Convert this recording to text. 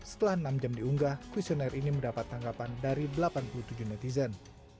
setelah enam jam diunggah questionnaire ini mendapat tanggapan dari delapan puluh tujuh netizen